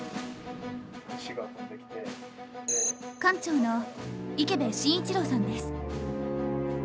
館長の池辺伸一郎さんです。